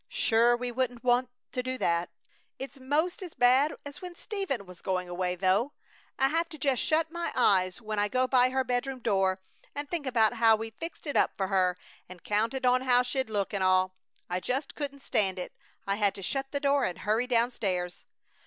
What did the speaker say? "Sure! We wouldn't want to do that!" "It's 'most as bad as when Stephen was going away, though. I have to just shut my eyes when I go by her bedroom door and think about how we fixed it up for her and counted on how she'd look, and all. I just couldn't stand it. I had to shut the door and hurry down stairs."